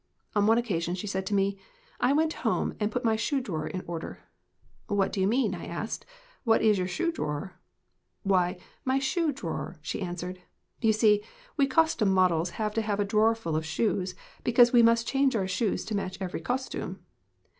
On one occasion she said to me, 'I went home and put my shoe drawer in order.' "'What do you mean?* I asked. 'What is your shoe drawer?' 26 THE JOYS OF THE POOR "'Why, my shoe drawer!' she answered. 'You see, we costume models have to have a drawer full of shoes, because we must change our shoes to match every costume.'